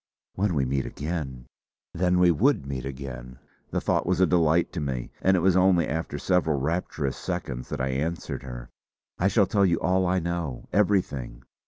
When we meet again! Then we would meet again: The thought was a delight to me; and it was only after several rapturous seconds that I answered her: "I shall tell you all I know; everything.